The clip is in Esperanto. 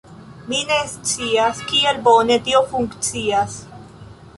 Mi ne scias kiel bone tio funkcias